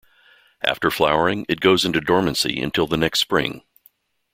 After flowering, it goes into dormancy until the next spring.